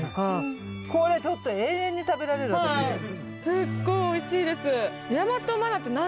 すっごいおいしいです。